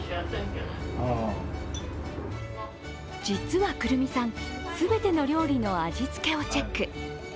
実はくるみさん、全ての料理の味付けをチェック。